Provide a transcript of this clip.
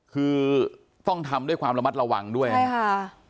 คือต้องทำด้วยความระมัดระวังด้วยนะครับ